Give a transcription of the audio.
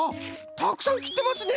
たくさんきってますね！